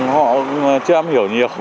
họ chưa em hiểu nhiều